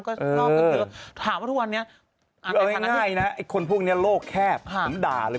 ก็ถามว่าทู่วันนี้เอาง่ายนะคุณพวกนี้โลกแค่ผมด่าเลย